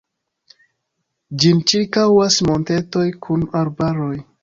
Ĝin ĉirkaŭas montetoj kun arbaroj.